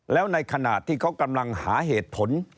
แล้วในขณะที่เขากำลังหาเหตุผล